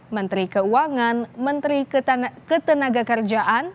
menteri keuangan menteri ketenagakerjaan